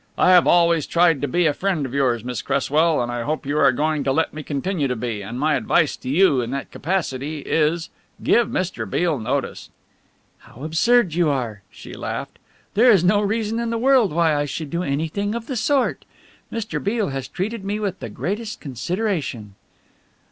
"I have always tried to be a friend of yours, Miss Cresswell, and I hope you are going to let me continue to be, and my advice to you in that capacity is give Mr. Beale notice." "How absurd you are!" she laughed. "There is no reason in the world why I should do anything of the sort. Mr. Beale has treated me with the greatest consideration."